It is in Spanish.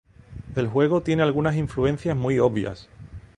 El juego tiene algunas influencias muy obvias.